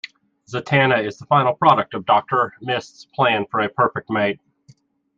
Zatanna is the final product of Doctor Mist's plan for a perfect mate.